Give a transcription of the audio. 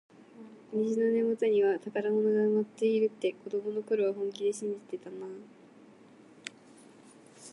虹の根元には宝物が埋まっているって、子どもの頃は本気で信じてたなあ。